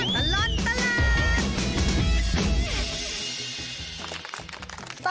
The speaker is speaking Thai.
ชั่วตลอดตลาด